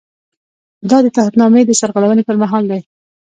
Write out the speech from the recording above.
دا د تعهد نامې د سرغړونې پر مهال دی.